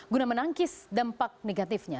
guna menangkis dampak negatifnya